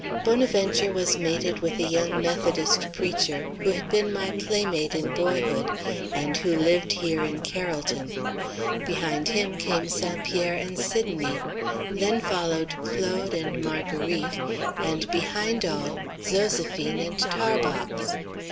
Bonaventure was mated with a young Methodist preacher, who had been my playmate in boyhood, and who lived here in Carrollton. Behind him came St. Pierre and Sidonie. Then followed Claude and Marguerite; and, behind all, Zoséphine and Tarbox.